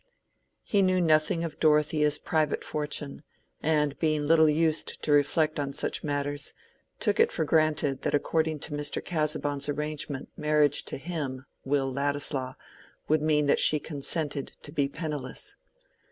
He knew nothing of Dorothea's private fortune, and being little used to reflect on such matters, took it for granted that according to Mr. Casaubon's arrangement marriage to him, Will Ladislaw, would mean that she consented to be penniless.